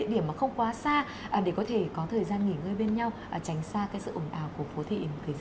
những địa điểm mà không quá xa để có thể có thời gian nghỉ ngơi bên nhau tránh xa sự ủng ảo của phố thị